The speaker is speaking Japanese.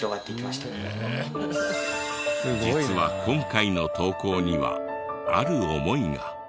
実は今回の投稿にはある思いが。